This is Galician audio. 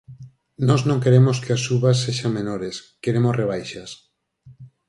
Nós non queremos que as subas sexan menores, ¡queremos rebaixas!